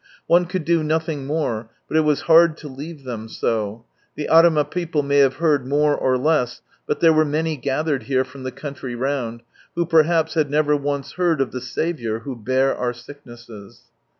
One could do nothing more, but it was hard to leave thera so; the Arima people may have heard more or less, but there were many gathered here from the country round, who perhaps had never once heard of the Saviour who " bare our sicknesses."